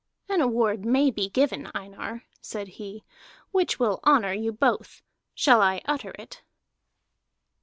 "An award may be given, Einar," said he, "which will honor you both. Shall I utter it?"